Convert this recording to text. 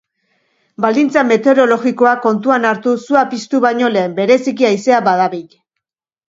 Baldintza meteorologikoak kontuan hartu sua piztu baino lehen, bereziki haizea badabil.